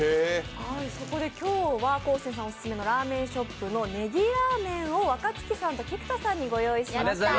そこで今日は昴生さんオススメのラーメンショップのネギラーメンを若槻さんと菊田さんにご用意しました。